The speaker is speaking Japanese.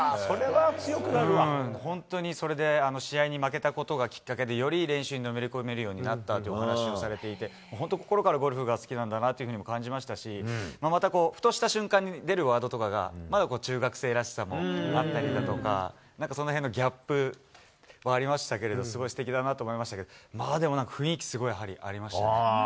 本当にそれで、試合に負けたことがきっかけで、より練習にのめり込めるようになったというお話をされていて、もう本当、心からゴルフが好きなんだなっていうふうに感じましたし、また、ふとした瞬間に出るワードとかが、まだ中学生らしさもあったりとか、なんか、そのへんのギャップもありましたけど、すごいすてきだなと思いましたけど、まあ、でもなんか、雰囲気、すごいありましたね。